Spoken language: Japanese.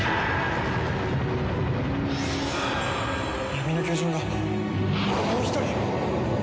闇の巨人がもう１人！？